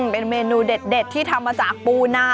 เป็นเมนูเด็ดที่ทำมาจากปูนา